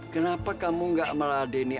kenapa kamu gak meladeni